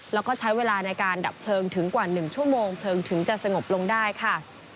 แล้วก็ใช้เวลาในการดับเพลิงถึงกว่า๑ชั่วโมงเพลิงถึงจะสงบลงได้ค่ะ